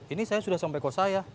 ini saya sudah sampai kosaya